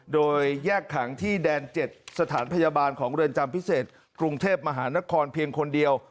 โดยแยกขังที่แดน๗สถานพยาบาลของเรือนจำพิเศษกรุงเทพมหานครเพียงคนเดียว